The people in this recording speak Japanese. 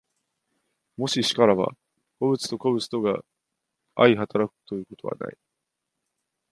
もし然らば、個物と個物とが相働くということはない。